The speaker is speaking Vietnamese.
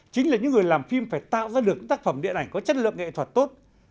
chính là những người làm phim phải tạo ra được những tác phẩm điện ảnh có chất lượng nghệ thuật tốt